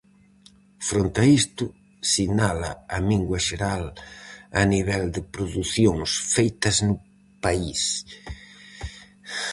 Fronte a isto, sinala a mingua xeral a nivel de producións feitas no país.